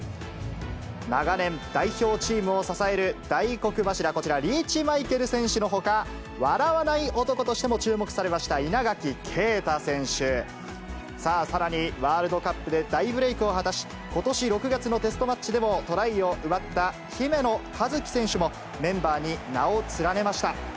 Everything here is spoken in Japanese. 長年、代表チームを支える大黒柱、こちら、リーチマイケル選手のほか、笑わない男としても注目されました稲垣啓太選手、さあ、さらにワールドカップで大ブレークを果たし、ことし６月のテストマッチでもトライを奪った姫野和樹選手もメンバーに名を連ねました。